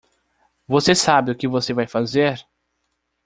Você sabe o que você vai fazer?